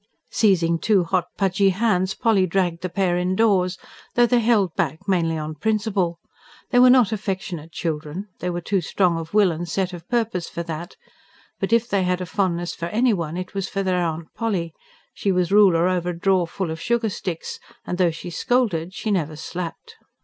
Seizing two hot, pudgy hands Polly dragged the pair indoors though they held back mainly on principle. They were not affectionate children; they were too strong of will and set of purpose for that; but if they had a fondness for anyone it was for their Aunt Polly: she was ruler over a drawerful of sugar sticks, and though she scolded she never slapped.